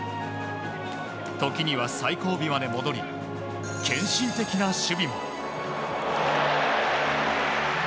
時には最後尾まで戻り献身的な守備も。